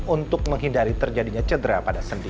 untuk menghindari terjadinya cedera pada sendi